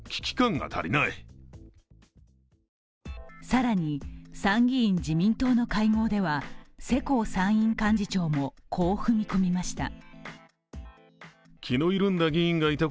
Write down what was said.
更に、参議院自民党の会合では世耕参院幹事長もこう踏み込みました。